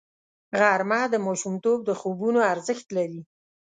غرمه د ماشومتوب د خوبونو ارزښت لري